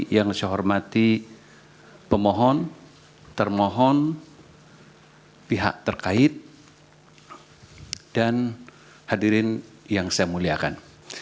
yang saya hormati pemohon termohon pihak terkait dan hadirin yang saya muliakan